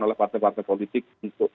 oleh partai partai politik untuk